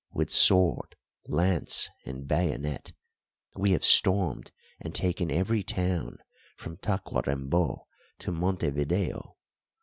With sword, lance, and bayonet we have stormed and taken every town from Tacuarembó to Montevideo.